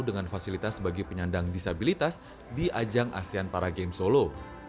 dengan fasilitas bagi penyandang disabilitas di ajang asean para games solo